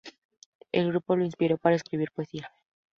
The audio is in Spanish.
El grupo lo inspiró para escribir poesía.